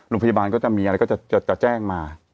โรงพยาบาลก็จะมีอะไรก็จะแจ้งมา